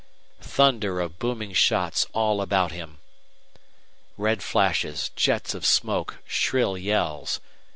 Thunder of booming shots all about him! Red flashes, jets of smoke, shrill yells!